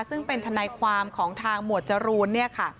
ซึ่งเป็นทนายความของทางหมวชรูน